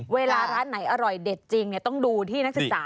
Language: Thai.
เวลาร้านไหนอร่อยเด็ดจริงต้องดูที่นักศึกษา